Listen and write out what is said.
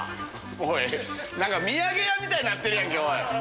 おい何か土産屋みたいになってるやんけおい。